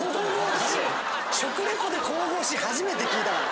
食リポで神々しい初めて聞いたから。